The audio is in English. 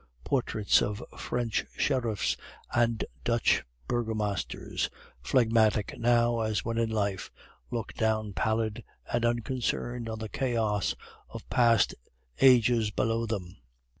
Portraits of French sheriffs and Dutch burgomasters, phlegmatic now as when in life, looked down pallid and unconcerned on the chaos of past ages below them.